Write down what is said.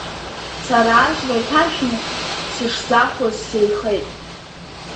Сара ажра иҭаршәны сышзахәоз сеихеит…